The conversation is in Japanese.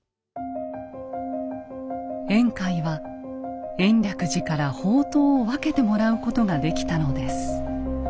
円海は延暦寺から法灯を分けてもらうことができたのです。